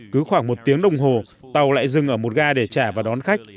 cứ khoảng một tiếng đồng hồ tàu lại dừng ở một ga để trả và đón khách